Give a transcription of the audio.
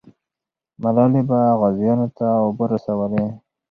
ملالۍ به غازیانو ته اوبه رسولې.